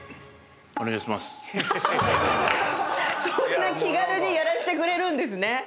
そんな気軽にやらせてくれるんですね。